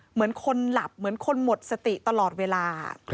เหมือนคนหลับเหมือนคนหมดสติตลอดเวลา